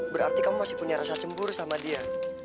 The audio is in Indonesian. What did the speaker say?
berarti kamu masih punya rasa cembur sama dia